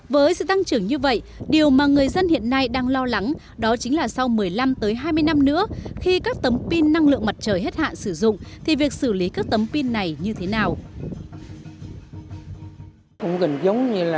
với sự tăng trưởng như vậy điều mà người dân hiện nay đang lo lắng đó chính là sau một mươi năm tới hai mươi năm nữa khi các tấm pin năng lượng mặt trời hết hạn sử dụng thì việc xử lý các tấm pin này như thế nào